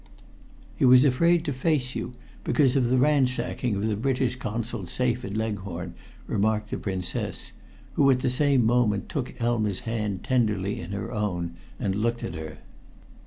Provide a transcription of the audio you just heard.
"He was afraid to face you because of the ransacking of the British Consul's safe at Leghorn," remarked the Princess, who, at the same moment, took Elma's hand tenderly in her own and looked at her.